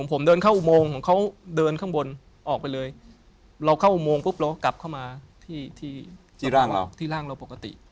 ผมเดินเข้าอุโมงเขาเดินข้างบนออกไปเลยเราเข้าอุโมงปุ๊บกลับเข้ามาที่ร่างเราปกติ